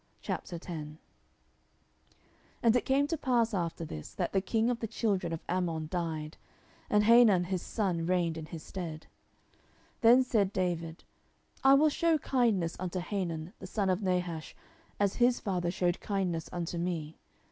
10:010:001 And it came to pass after this, that the king of the children of Ammon died, and Hanun his son reigned in his stead. 10:010:002 Then said David, I will shew kindness unto Hanun the son of Nahash, as his father shewed kindness unto me.